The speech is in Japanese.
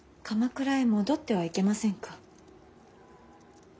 鎌倉へ戻ってはいけませんか。